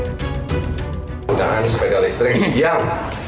penggunaan sepeda listrik diam